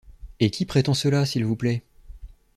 Et qui prétend cela, s’il vous plaît?